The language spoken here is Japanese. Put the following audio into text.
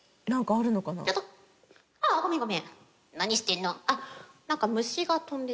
ああごめんごめん。